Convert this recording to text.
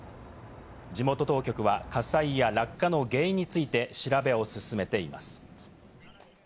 地元当局は火災や落下の原因について調べを進めています。